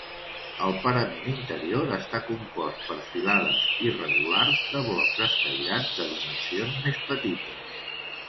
El parament interior està compost per filades irregulars de blocs escairats de dimensions més petites.